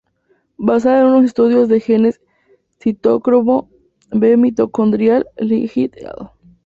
Basado en un estudios de genes citocromo b mitocondrial, Li "et al.